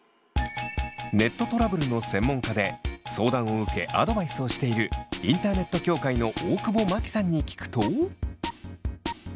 ネットトラブルの専門家で相談を受けアドバイスをしているインターネット協会の大久保真紀さんに聞くと。